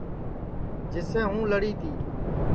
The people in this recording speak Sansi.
جسے ہوں لڑی تی